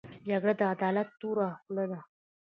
جګړه د عدالت توره خوله ده